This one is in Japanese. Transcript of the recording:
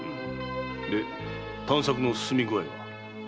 で探索のすすみ具合は？